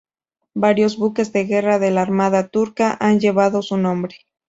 Varios buques de guerra de la armada turca han llevado su nombre.